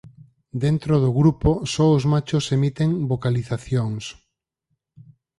Dentro do grupo só os machos emiten vocalizacións.